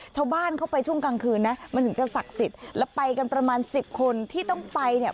ชาวบ้านเข้าไปช่วงกลางคืนนะมันถึงจะศักดิ์สิทธิ์แล้วไปกันประมาณสิบคนที่ต้องไปเนี่ย